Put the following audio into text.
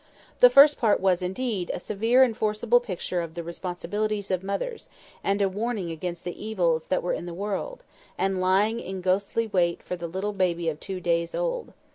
The first part was, indeed, a severe and forcible picture of the responsibilities of mothers, and a warning against the evils that were in the world, and lying in ghastly wait for the little baby of two days old.